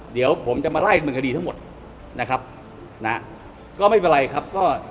เดี๋ยวผมจะมาไล่เมืองคดีทั้งหมดนะครับนะก็ไม่เป็นไรครับก็